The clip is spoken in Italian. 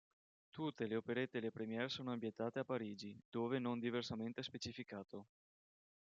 Tutte le operette e le première sono ambientate a Parigi, dove non diversamente specificato.